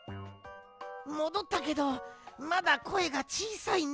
もどったけどまだこえがちいさいね。